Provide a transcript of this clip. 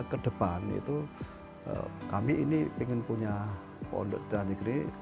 kedepan itu kami ini ingin punya pondok dan negeri